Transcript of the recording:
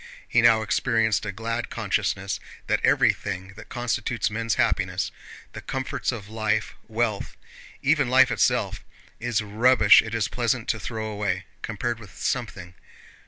He now experienced a glad consciousness that everything that constitutes men's happiness—the comforts of life, wealth, even life itself—is rubbish it is pleasant to throw away, compared with something...